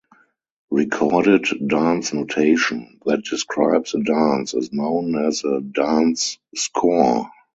Recorded dance notation that describes a dance is known as a "dance score".